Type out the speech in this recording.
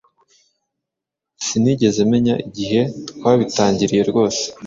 sinigeze menya igihe twabitangiriye rwose!